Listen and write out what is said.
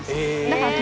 だから。